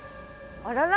あらら。